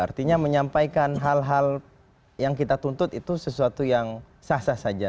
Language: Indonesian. artinya menyampaikan hal hal yang kita tuntut itu sesuatu yang sah sah saja